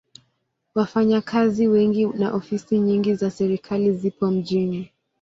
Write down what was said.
Wafanyakazi wengi na ofisi nyingi za serikali zipo mjini.